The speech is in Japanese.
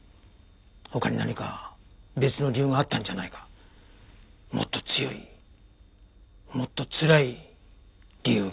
他に何か別の理由があったんじゃないかもっと強いもっとつらい理由が。